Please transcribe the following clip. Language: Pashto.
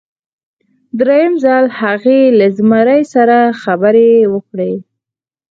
دریم ځل هغې له زمري سره خبرې وکړې.